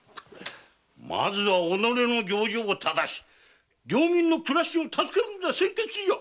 まずは己の行状を正し領民の暮らしを助けることが先決じゃ！